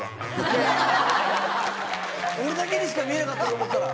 俺だけにしか見えなかったと思ったら。